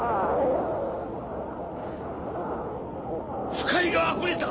腐海があふれた！